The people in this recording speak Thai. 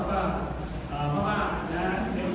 เพราะมอบก็อย่างนั้นเสียเมือง